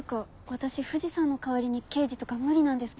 私藤さんの代わりに刑事とか無理なんですけど。